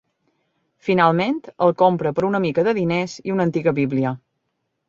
Finalment, el compra per una mica de diners i una antiga Bíblia.